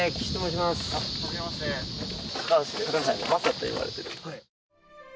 まさといわれている。